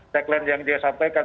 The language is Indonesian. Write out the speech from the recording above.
reklam yang dia sampaikan